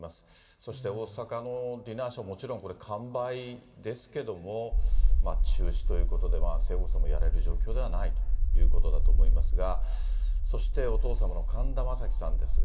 そして大阪のディナーショー、もちろんこれ、完売ですけども、中止ということで、聖子さんもやれる状態ではないということですが、そしてお父様の神田正輝さんですが。